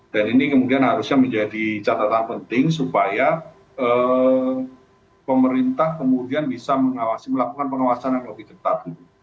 dan ini kemudian harusnya menjadi catatan penting supaya pemerintah kemudian bisa mengawasi melakukan pengawasan yang lebih ketat